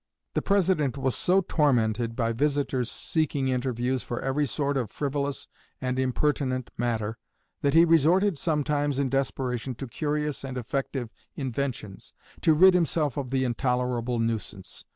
The President was so tormented by visitors seeking interviews for every sort of frivolous and impertinent matter, that he resorted sometimes, in desperation, to curious and effective inventions to rid himself of the intolerable nuisance.